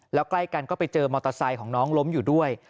แล้วใกล้กันก็ไปเจอมอเตอร์ไซค์ของน้องล้มอยู่ด้วย